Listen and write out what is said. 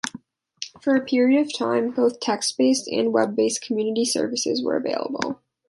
For a period of time, both text-based and web-based community services were available.